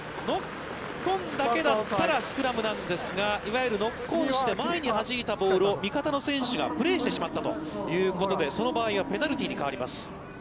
ノックオンだけだったらスクラムなんですが、いわゆるノックオンして、前にはじいたボールを味方の選手がプレーしてしまったということで、その場合はペナルティーに変わります。